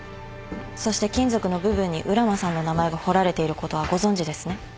そして金属の部分に浦真さんの名前が彫られていることはご存じですね？